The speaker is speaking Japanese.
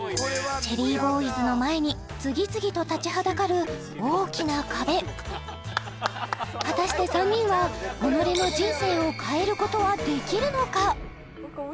チェリーボーイズの前に次々と立ちはだかる大きな壁果たして３人は己の人生を変えることはできるのか？